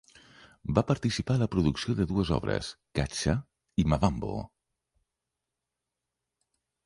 Va participar a la producció de dues obres, "Katshaa" i "Mavambo".